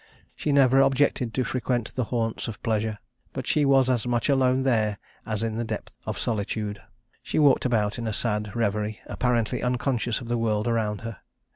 She never objected to frequent the haunts of pleasure, but she was as much alone there as in the depth of solitude. She walked about in a sad reverie, apparently unconscious of the world around her.